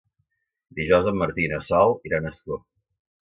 Dijous en Martí i na Sol iran a Ascó.